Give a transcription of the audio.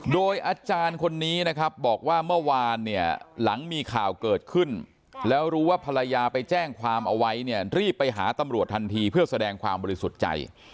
โดยอาจารย์คนนี้นะครับบอกว่าเมื่อวานเนี่ยหลังมีข่าวเกิดขึ้นแล้วรู้ว่าภรรยาไปแจ้งความเอาไว้เนี่ยรีบไปหาตำรวจทันทีเพื่อแสดงความบริสุทธิ์ใจ